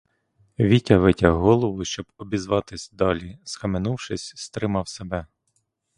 Вітя витяг голову, щоб обізватись, далі, схаменувшись, стримав себе.